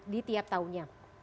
di tiap tahunnya